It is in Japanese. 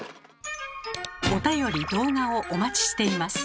おたより動画をお待ちしています。